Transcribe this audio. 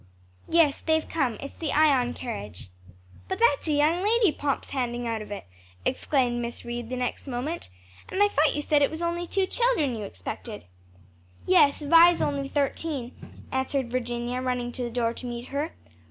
"Yes, they've come, it's the Ion carriage." "But that's a young lady Pomp's handing out of it!" exclaimed Miss Reed the next moment, "and I thought you said it was only two children you expected." "Yes, Vi's only thirteen," answered Virginia running to the door to meet her.